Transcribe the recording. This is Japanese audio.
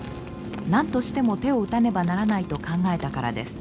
何としても手を打たねばならないと考えたからです。